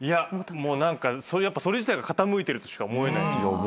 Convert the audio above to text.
もう何かそれ自体が傾いてるとしか思えない。